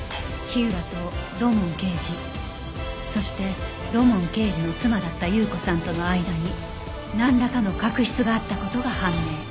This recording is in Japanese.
火浦と土門刑事そして土門刑事の妻だった有雨子さんとの間になんらかの確執があった事が判明